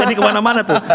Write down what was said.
jadi kemana mana tuh